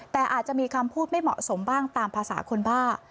แต่อาจจะมีคำพูดไม่เหมาะสมบ้างตามภาษาคนบ้า